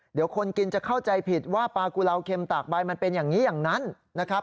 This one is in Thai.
เดี๋ยวคนกินจะเข้าใจผิดว่าปลากุลาวเค็มตากใบมันเป็นอย่างนี้อย่างนั้นนะครับ